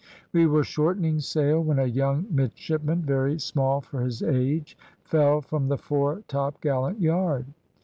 "We were shortening sail when a young midshipman, very small for his age, fell from the fore topgallant yard.